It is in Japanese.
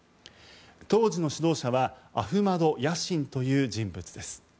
当時の指導者はアフマド・ヤシンという人物です。